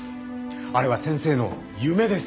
あれは先生の夢ですから。